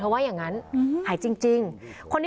วิทยาลัยศาสตรี